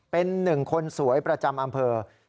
เป็นหนึ่งคนสวยประจำอำเภอ